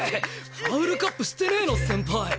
ファウルカップしてねえの先輩。